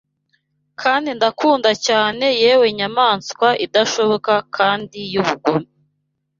Kandi ndakunda cyane yewe nyamaswa idashoboka kandi y'ubugome